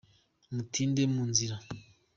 ntutinde munzira.